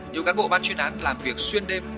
nhiều cán bộ ban chuyên án làm việc xuyên đêm